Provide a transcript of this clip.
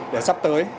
để sắp tới